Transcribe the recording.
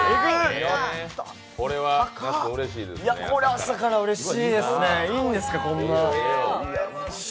これはうれしいですね、朝からいいんですか？